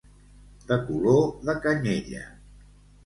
De color de canyella.